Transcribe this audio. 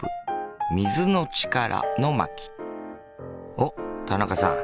おっ田中さん。